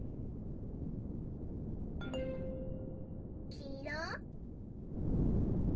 きいろ。